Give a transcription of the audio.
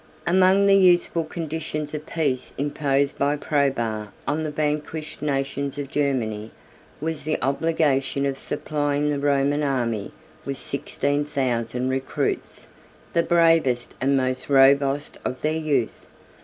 ] Among the useful conditions of peace imposed by Probus on the vanquished nations of Germany, was the obligation of supplying the Roman army with sixteen thousand recruits, the bravest and most robust of their youth.